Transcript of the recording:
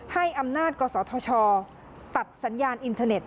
ให้อำนาจกศธชตัดสัญญาณอินเทอร์เน็ต